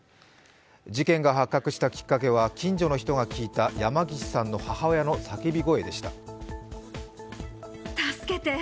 事件が発覚したきっかけは近所の人が聞いた山岸さんの母親の叫び声でした。